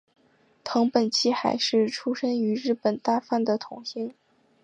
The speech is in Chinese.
藤本七海是出身于日本大阪的童星。